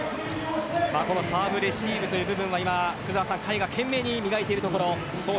サーブレシーブという部分甲斐が懸命に磨いているところ。